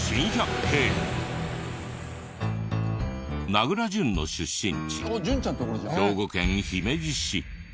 名倉潤の出身地兵庫県姫路市。